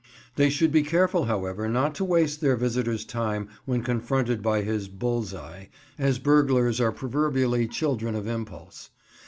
They should be careful, however, not to waste their visitor's time when confronted by his "bull's eye," as burglars are proverbially children of impulse.